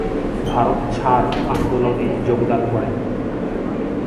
ভারত ছাড় আন্দোলনে যোগদান করেন।